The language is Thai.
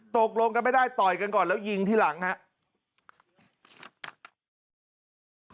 ตกลงกันไม่ได้ต่อยกันก่อนแล้วยิงที่หลังครับ